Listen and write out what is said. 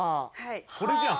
これじゃん。